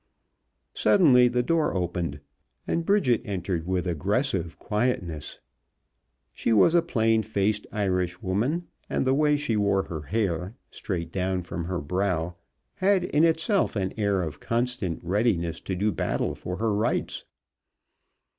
Suddenly the door opened and Bridget entered with aggressive quietness. She was a plain faced Irishwoman, and the way she wore her hair, straight back from her brow, had in itself an air of constant readiness to do battle for her rights.